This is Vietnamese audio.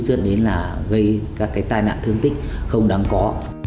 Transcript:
dẫn đến là gây các cái tai nạn thương tích không đáng có